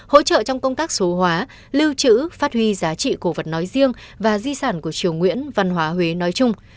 hỗ trợ trong công tác số hóa lưu trữ phát huy giá trị cổ vật nói riêng và di sản của triều nguyễn văn hóa huế nói chung